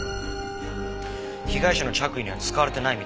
被害者の着衣には使われてないみたいですね。